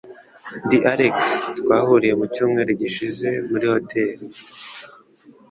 Ndi Alex. Twahuriye mu cyumweru gishize muri hoteri.